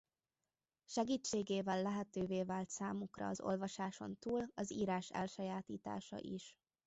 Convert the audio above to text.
Segítségével lehetővé vált számukra az olvasáson túl az írás elsajátítása is.